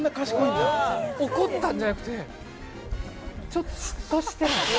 怒ったんじゃなくてちょっと嫉妬して。